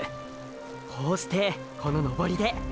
こうしてこの登りで！